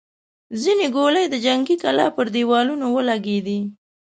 ځينې ګولۍ د جنګي کلا پر دېوالونو ولګېدې.